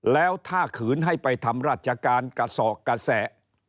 แล้วถ้าขืนให้ไปทำราชการกระสอบกระแส